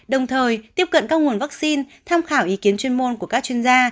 đồng thời tiếp cận các nguồn vaccine tham khảo ý kiến chuyên môn của các chuyên gia